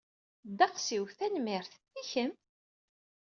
Ddeqs-iw, tanemmirt. I kemm?